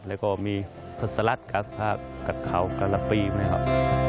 แล้วก็มีสลัดกับเขากับเขากันละปีนะครับ